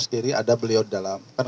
sekirih ada beliau dalam kan